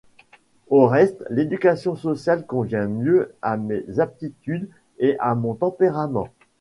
Au reste l'éducation sociale convient mieux à mes aptitudes et à mon tempérament.